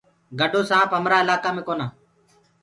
گَڊو سآنپ مهرآ ايِلآڪآ مي ڪونآ۔